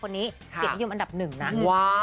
วันนี้เก็บยืมอันดับหนึ่งนะ